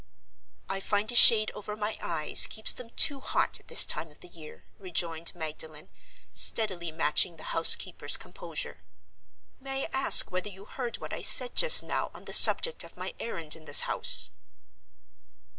"I find a shade over my eyes keeps them too hot at this time of the year," rejoined Magdalen, steadily matching the housekeeper's composure. "May I ask whether you heard what I said just now on the subject of my errand in this house?"